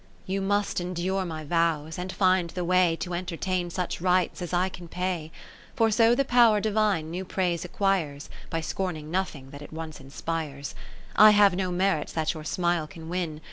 You must endure my vows, and find the way To entertain such rites as I can pay : For so the Pow'r Divine new praise acquires, By scorning nothing that it once inspires : I have no merits that your smile can win.